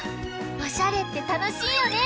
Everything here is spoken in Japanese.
おしゃれってたのしいよね！